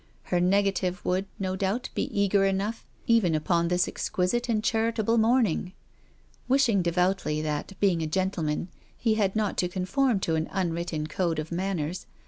Her nega tive would, no doubt, be eager enough even upon this exquisite and charitable morning. Wishing devoutly that, being a gentleman, he had not to conform to an unwritten code of manners.